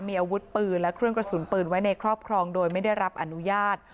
มีอาวุธปืนและเครื่องกระสุนปืนไว้ในครอบครองโดยไม่ได้รับอนุญาต